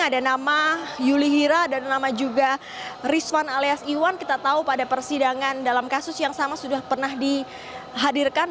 ada nama yuli hira dan nama juga rizwan alias iwan kita tahu pada persidangan dalam kasus yang sama sudah pernah dihadirkan